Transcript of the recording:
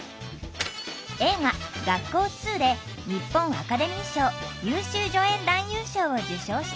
映画「学校Ⅱ」で日本アカデミー賞優秀助演男優賞を受賞した。